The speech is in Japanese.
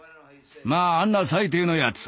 まああんな最低のやつ